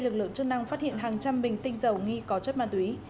chương năng phát hiện hàng trăm bình tinh dầu nghi có chất ma túy